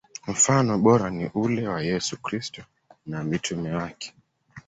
Mfano bora ni ule wa Yesu Kristo na wa mitume wake.